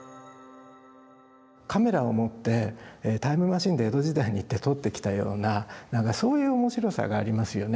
カメラを持ってタイムマシンで江戸時代に行って撮ってきたような何かそういう面白さがありますよね。